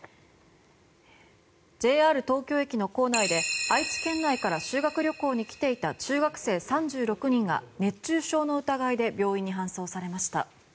ＪＲ東京駅の構内で愛知県内から修学旅行に来ていた中学生３６人が熱中症の疑いで病院に搬送されました。